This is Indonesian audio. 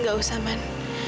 tidak usah men